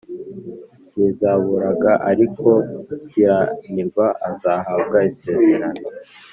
ntizaburaga Ariko ukiranirwa azahabwa isezerano